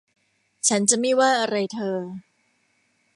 ฉันจะไม่ว่าอะไรเธอ